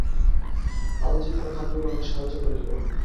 আলজিহ্বা খাদ্যগ্রহণে সাহায্য করে কিভাবে?